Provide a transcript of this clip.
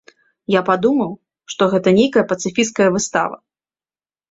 Я падумаў, што гэта нейкая пацыфісцкая выстава.